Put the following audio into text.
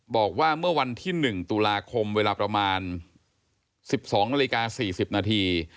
บอกว่าเมื่อวันที่๑ตุลาคมเวลาประมาณ๑๒นาฬิกา๔๐นาที